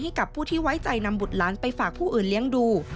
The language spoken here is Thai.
ให้กับผู้ที่ไว้ใจนำบุตรหลานไปฝากผู้อื่นเลี้ยงดู